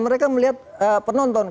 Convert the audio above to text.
mereka melihat penonton